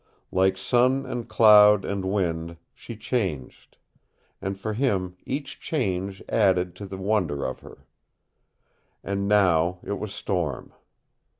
Like sun and cloud and wind she changed, and for him each change added to the wonder of her. And now it was storm.